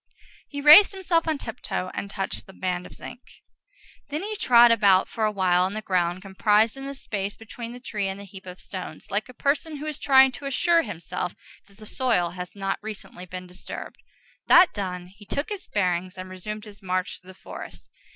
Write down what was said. He raised himself on tiptoe and touched this band of zinc. Then he trod about for awhile on the ground comprised in the space between the tree and the heap of stones, like a person who is trying to assure himself that the soil has not recently been disturbed. That done, he took his bearings, and resumed his march through the forest.